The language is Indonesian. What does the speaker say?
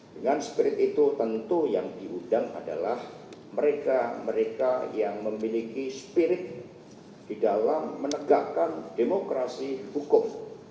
dengan spirit itu tentu yang diundang adalah mereka mereka yang memiliki spirit di dalam menegakkan demokrasi hukum